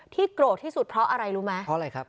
โกรธที่สุดเพราะอะไรรู้ไหมเพราะอะไรครับ